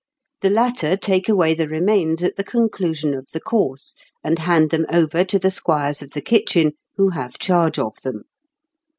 The latter take away the remains at the conclusion of the course, and hand them over to the squires of the kitchen who have charge of them.